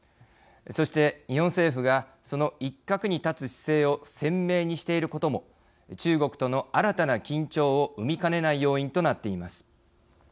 そして日本政府がその一角に立つ姿勢を鮮明にしていることも中国との新たな緊張を生みかねない要因となっています。